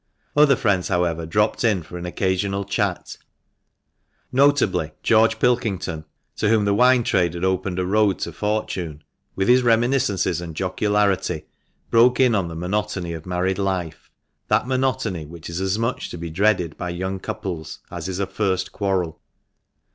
Other friends, however, dropped in for an occasional chat, notably George Pilkington (to whom the wine trade had opened a road to fortune), with his reminiscences and jocularity, broke in on the monotony of married life, that monotony which is as much to be dreaded by young couples as is a first quarrel.